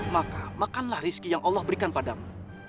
maka makanlah rizki yang allah berikan padamu